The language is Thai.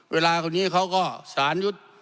เวลาคนนี้เขาก็สารยุทธ์